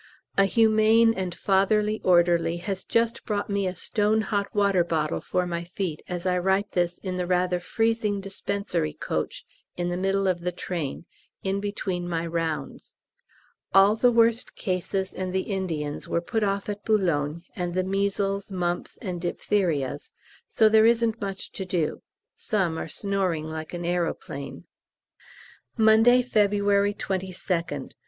A humane and fatherly orderly has just brought me a stone hot water bottle for my feet as I write this in the rather freezing dispensary coach in the middle of the train, in between my rounds. All the worst cases and the Indians were put off at B., and the measles, mumps, and diphtherias, so there isn't much to do; some are snoring like an aeroplane. _Monday, February 22nd.